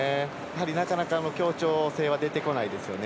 なかなか協調性は出てこないですよね。